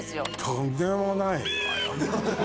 とんでもないわよ。